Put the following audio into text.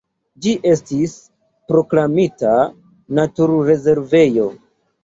Ĝi estis proklamita naturrezervejo.